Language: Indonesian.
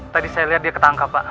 tadi saya lihat dia ketangkap pak